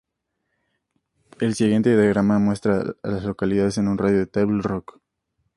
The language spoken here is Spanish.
El siguiente diagrama muestra a las localidades en un radio de de Table Rock.